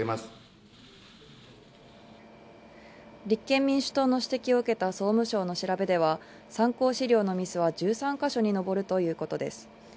立憲民主党の指摘を受けた総務省の調べでは参考資料のミスは１３箇所以上にのぼるということです。